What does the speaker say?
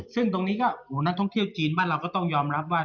ซึ่งตรงนี้ก็นักท่องเที่ยวจีนบ้านเราก็ต้องยอมรับว่า